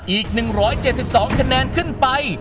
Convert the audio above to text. อีก๑๗๒คะแนนขึ้นไป